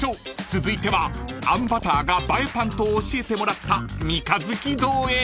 ［続いてはあんバターが映えパンと教えてもらったミカヅキ堂へ］